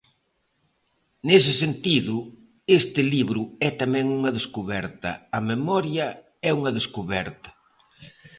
Nese sentido, este libro é tamén unha descuberta, a memoria é unha descuberta.